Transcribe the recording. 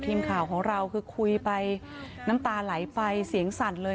ทีมข่าวของเราคือคุยไปน้ำตาไหลไปเสียงสั่นเลย